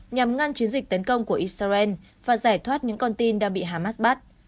nhằm ngăn chiến dịch tấn công của israel và giải thoát những con tin đang bị hamas bắt